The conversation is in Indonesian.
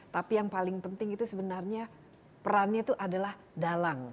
tapi yang paling penting itu sebenarnya perannya itu adalah dalang